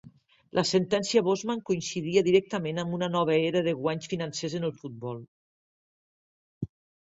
La sentència Bosman coincidia directament amb una nova era de guanys financers en el futbol.